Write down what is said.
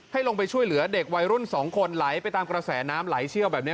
ลงไปช่วยเหลือเด็กวัยรุ่น๒คนไหลไปตามกระแสน้ำไหลเชี่ยวแบบนี้